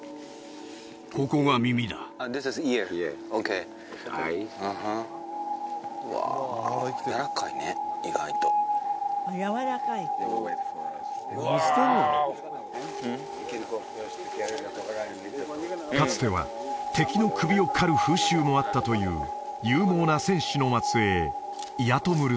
ここが耳だうわやわらかいね意外とウワーオかつては敵の首を狩る風習もあったという勇猛な戦士の末裔イアトムル